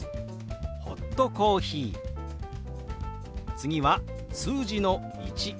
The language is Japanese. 次は数字の「１」。